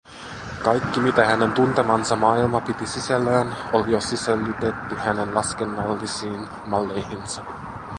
Kaikki, mitä hänen tuntemansa maailma piti sisällään, oli jo sisällytetty hänen laskennallisiin malleihinsa.